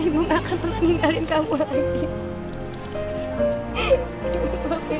ibu gak akan pernah tinggalin kamu lagi